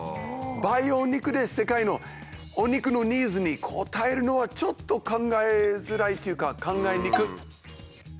培養肉で世界のお肉のニーズに応えるのはちょっと考えづらいというか「考えニク」。